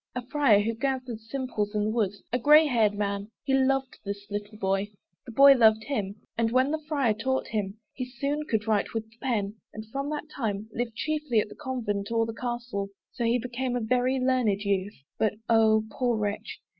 A Friar, who gathered simples in the wood, A grey haired man he loved this little boy, The boy loved him and, when the Friar taught him, He soon could write with the pen: and from that time, Lived chiefly at the Convent or the Castle. So he became a very learned youth. But Oh! poor wretch!